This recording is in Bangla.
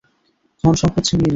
ধন-সম্পদ ছিনিয়ে নিল।